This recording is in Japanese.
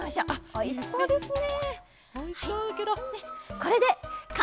おいしそうですね。